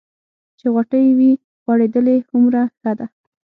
چې غوټۍ وي غوړېدلې هومره ښه ده.